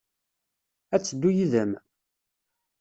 Ad teddu yid-m?